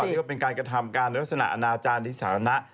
ก็เป็นการกระทำการลักษณะอาณาจารย์ที่สาวนะ